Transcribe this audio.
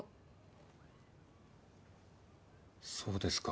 そうですか。